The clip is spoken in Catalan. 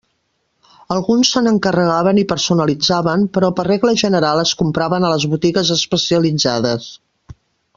Alguns se n'encarregaven i personalitzaven però per regla general es compraven a les botigues especialitzades.